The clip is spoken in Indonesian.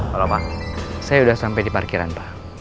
halo pak saya sudah sampai di parkiran pak